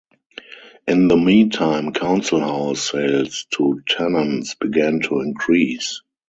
In the meantime, council house sales to tenants began to increase.